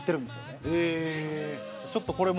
松橋：ちょっと、これも。